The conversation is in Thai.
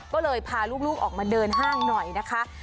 ก็เลยพาลูกออกมาเดินห้างหน่อยนะคะ